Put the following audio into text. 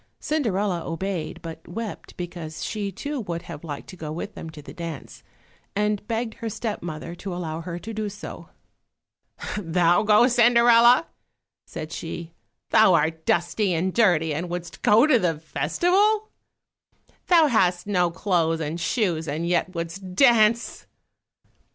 Cinderella obeyed, but wept, because she too would have liked to go with them to the dance, and begged her step mother to allow her to do so. "Thou go, Cinderella!" said she; "Thou art dusty and dirty and wouldst go to the festival? Thou hast no clothes and shoes, and yet wouldst dance!"